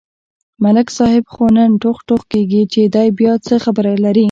ملک صاحب خو نن ټوغ ټوغ کېږي، چې دی بیا څه خبره لري.